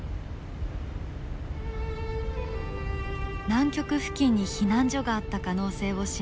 南極付近に避難所があった可能性を示す証拠。